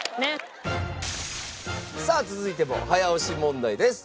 さあ続いても早押し問題です。